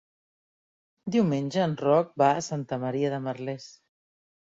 Diumenge en Roc va a Santa Maria de Merlès.